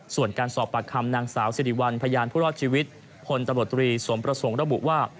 ส่วนการสอบปากคำนางสาวสิริวัลพยานผู้รอดชีวิตพลตำรวจตรีสมประสงค์ระบุว่า